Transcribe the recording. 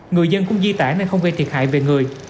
người dân cũng di tản nên không gây thiệt hại về người